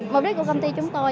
mục đích của công ty chúng tôi